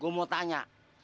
gue mau tanya